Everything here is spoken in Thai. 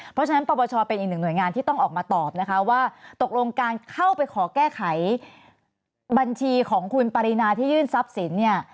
เพราะฉะนั้นปปชเป็นอีกหนึ่งหน่วยงานที่ต้องออกมาตอบนะคะว่าตกลงการเข้าไปขอแก้ไขบัญชีของคุณปรินาที่ยื่นทรัพย์สินเนี่ย